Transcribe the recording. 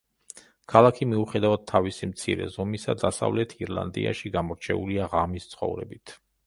ქალაქი, მიუხედავად თავისი მცირე ზომისა, დასავლეთ ირლანდიაში გამორჩეულია ღამის ცხოვრებით.